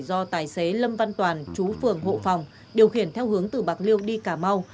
do tài xế lâm văn toàn chú phường hộ phòng điều khiển theo hướng từ bạc liêu đi cà mau